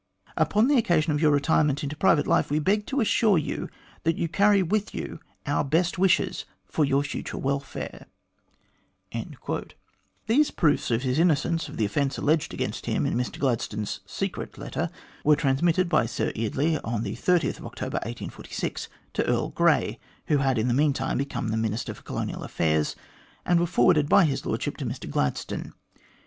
Upon the occasion of your retirement into private life, we beg to assure you that you carry with you our best wishes for your future welfare." These proofs of his innocence of the offence alleged against him in Mr Gladstone's " secret/' letter, were trans mitted by Sir Eardley on October 30/1846, to Earl Grey, who had in the meantime become the Minister for Colonial Affairs, and were forwarded by His Lordship to Mr Glad stone.